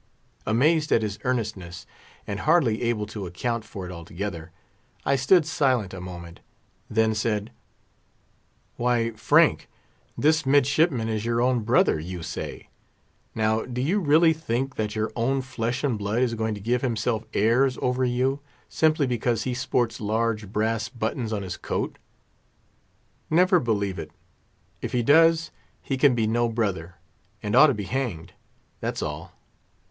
Amazed at his earnestness, and hardly able to account for it altogether, I stood silent a moment; then said, "Why, Frank, this midshipman is your own brother, you say; now, do you really think that your own flesh and blood is going to give himself airs over you, simply because he sports large brass buttons on his coat? Never believe it. If he does, he can be no brother, and ought to be hanged—that's all!"